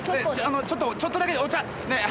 ちょっとちょっとだけお茶ねえ。